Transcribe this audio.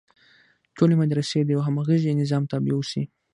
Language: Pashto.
ټولې مدرسې د یوه همغږي نظام تابع اوسي.